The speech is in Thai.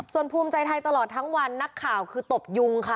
ส่วนภูมิใจไทยตลอดทั้งวันนักข่าวคือตบยุงค่ะ